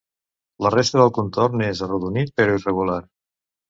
La resta del contorn és arrodonit però irregular.